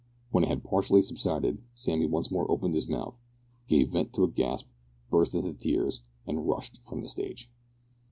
When it had partially subsided, Sammy once more opened his mouth, gave vent to a gasp, burst into tears, and rushed from the stage.